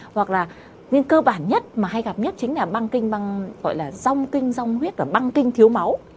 hoặc là nguyên cơ bản nhất mà hay gặp nhất chính là băng kinh gọi là rong kinh rong huyết và băng kinh thiếu máu